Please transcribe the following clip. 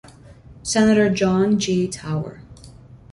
Senator John G. Tower.